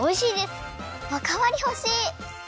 おかわりほしい！